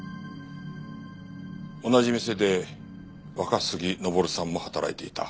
同じ店で若杉登さんも働いていた。